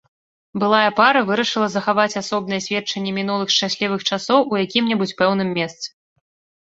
Былая пара вырашыла захаваць асобныя сведчанні мінулых шчаслівых часоў у якім-небудзь пэўным месцы.